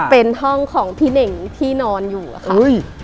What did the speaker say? เป็นห้องของพี่เน่งที่นอนอยู่อะค่ะ